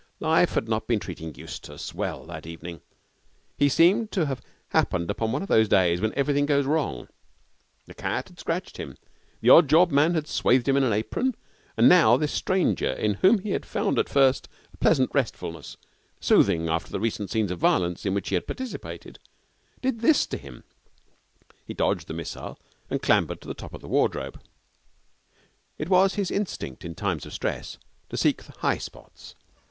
Life had not been treating Eustace well that evening. He seemed to have happened upon one of those days when everything goes wrong. The cat had scratched him, the odd job man had swathed him in an apron, and now this stranger, in whom he had found at first a pleasant restfulness, soothing after the recent scenes of violence in which he had participated, did this to him. He dodged the missile and clambered on to the top of the wardrobe. It was his instinct in times of stress to seek the high spots.